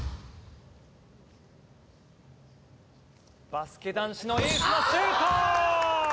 バスケ男子のエースのシュート！